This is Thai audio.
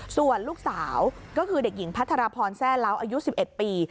ส่วนลูกสาวก็คือเด็กหญิงพัทรพรแซ่เล้าอายุ๑๑ปี